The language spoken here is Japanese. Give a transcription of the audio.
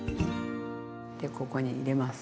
でここに入れます。